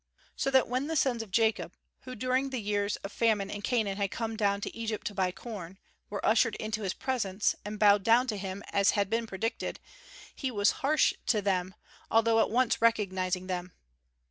So that when the sons of Jacob, who during the years of famine in Canaan had come down to Egypt to buy corn, were ushered into his presence, and bowed down to him, as had been predicted, he was harsh to them, although at once recognizing them.